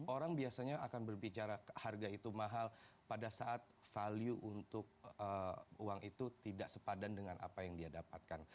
orang biasanya akan berbicara harga itu mahal pada saat value untuk uang itu tidak sepadan dengan apa yang dia dapatkan